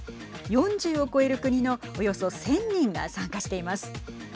４０を超える国のおよそ１０００人が参加しています。